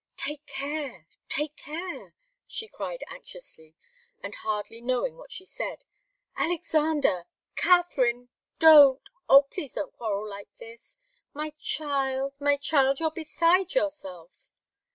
"Take care, take care!" she cried, anxiously, and hardly knowing what she said. "Alexander Katharine! Don't oh, please don't quarrel like this my child, my child! You're beside yourself!"